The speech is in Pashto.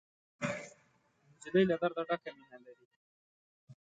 نجلۍ له درده ډکه مینه لري.